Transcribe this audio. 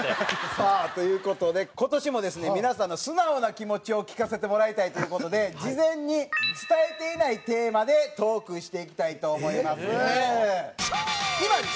さあという事で今年もですね皆さんの素直な気持ちを聞かせてもらいたいという事で事前に伝えていないテーマでトークしていきたいと思います。